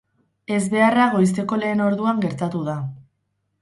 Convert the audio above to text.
Ezbeharra goizeko lehen orduan gertatu da.